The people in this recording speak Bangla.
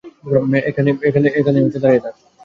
এখানেই দাঁড়িয়ে থাক।